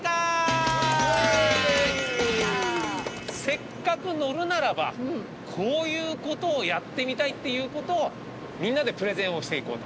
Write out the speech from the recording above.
せっかく乗るならばこういう事をやってみたいっていう事をみんなでプレゼンをしていこうと。